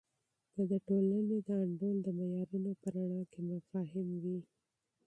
که د ټولنې د انډول د معیارونو په رڼا کې مفاهیم وي.